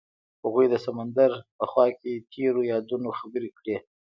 هغوی د سمندر په خوا کې تیرو یادونو خبرې کړې.